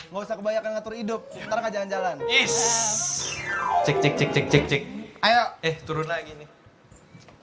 ngomong kebanyakan ngatur hidup ntar jangan jalan is cek cek cek cek cek cek ayo turun lagi nih